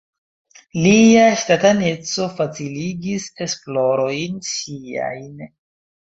Lia ŝtataneco faciligis esplorojn siajn.